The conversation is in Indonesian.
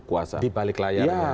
kuasa di balik layarnya